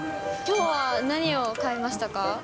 きょうは何を買いましたか？